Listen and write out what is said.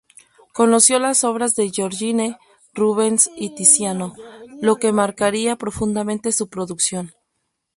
Conoció las obras de Giorgione, Rubens y Tiziano, lo que marcaría profundamente su producción.